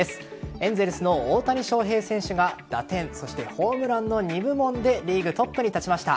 エンゼルスの大谷翔平選手が打点、そしてホームランの２部門でリーグトップに立ちました。